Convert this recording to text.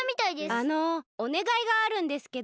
あのおねがいがあるんですけど。